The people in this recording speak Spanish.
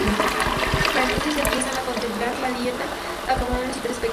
Para entonces empiezan a complementar la dieta con camarones y peces pequeños.